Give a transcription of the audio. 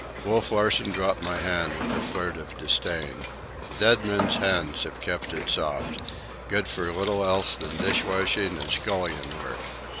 Wolf Larsen dropped my hand with a flirt of disdain. "Dead men's hands have kept it soft. Good for little else than dish washing and scullion work."